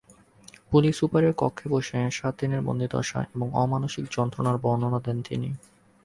Police সুপারের কক্ষে বসে সাত দিনের বন্দিদশা এবং অমানুষিক যন্ত্রণার বর্ণনা দেন তিনি।